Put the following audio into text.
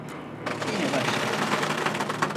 Yine başladık.